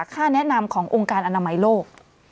ค่าแนะนำขององค์การอนามัยโลก